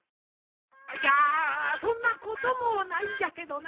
あいやそんなこともないんじゃけどな。